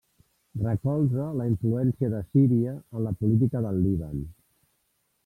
Recolza la influència de Síria en la política del Líban.